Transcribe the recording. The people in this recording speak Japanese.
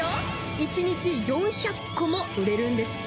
１日４００個も売れるんですって。